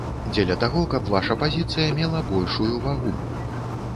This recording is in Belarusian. Дзеля таго, каб ваша пазіцыя мела большую вагу.